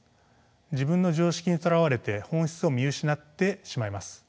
自分の常識にとらわれて本質を見失ってしまいます。